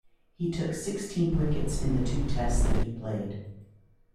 He took sixteen wickets in the two Tests that he played.